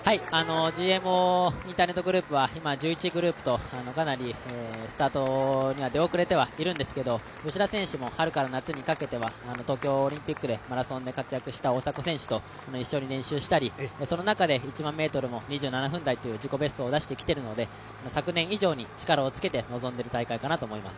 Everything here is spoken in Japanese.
ＧＭＯインターネットグループは今１１位グループとかなりスタートには出遅れてはいるんですけど、吉田選手も春から夏にかけては東京オリンピックでマラソンで活躍した大迫選手と一緒に練習をしたりその中で１００００ｍも２７分台と自己ベストを出してきているので昨年以上に力をつけて臨んでいる大会かなと思います。